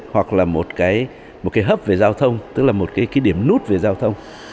hoặc là một cái hấp về giao thông tức là một cái điểm nút về giao thông